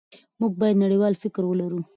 موږ باید نړیوال فکر ولرو.